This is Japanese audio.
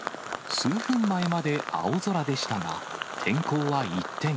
数分前まで青空でしたが、天候は一転。